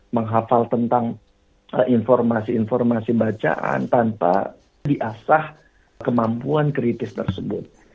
menghafal tentang informasi informasi bacaan tanpa diasah kemampuan kritis tersebut